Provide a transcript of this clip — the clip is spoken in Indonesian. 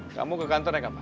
kamu ke kantor naik apa